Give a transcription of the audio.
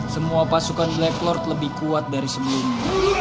semua pasukan black lord lebih kuat dari sebelumnya